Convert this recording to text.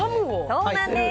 そうなんです。